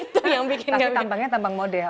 tapi tampangnya tampang model